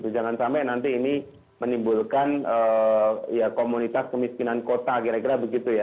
jangan sampai nanti ini menimbulkan komunitas kemiskinan kota kira kira begitu ya